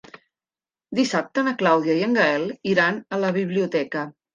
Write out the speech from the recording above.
Dissabte na Clàudia i en Gaël iran a la biblioteca.